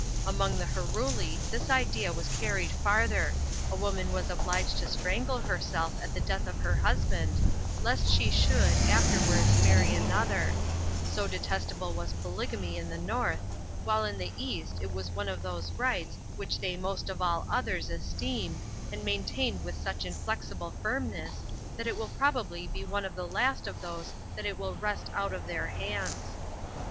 Among the Heruli this idea was carried farther, a woman was obliged to strangle herself at the death of her husband, lest she should, afterwards marry another; so detestable was polygamy in the North, while in the East it is one of these rights which they most of all others esteem, and maintain with such inflexible firmness, that it will probably be one of the last of those that it will wrest out of their hands.